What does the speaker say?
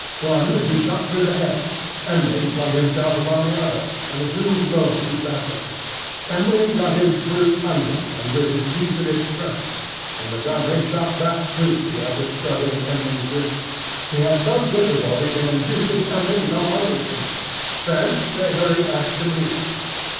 One he shot through the head; M'ling flung himself upon the other, and the two rolled grappling. M'ling got his brute under and with his teeth in its throat, and Montgomery shot that too as it struggled in M'ling's grip. He had some difficulty in inducing M'ling to come on with him. Thence they had hurried back to me.